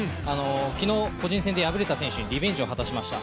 昨日、個人戦で敗れた選手にリベンジを果たしました。